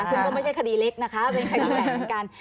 ซึ่งก็ไม่ใช่คดีเล็กนะคะเป็นคดีใหญ่เหมือนกัน